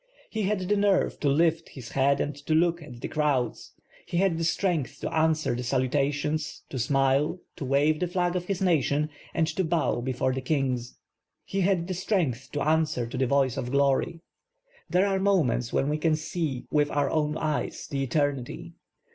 He had the nerve to lift his head and to look at the crowds, he had the strength to answer the salutations, to smile, to wave the flag of his nation, and to 1)ow before the kings. He had the strength to answer to the voice of glory. There are moments when we can see with our own eyes the eternity.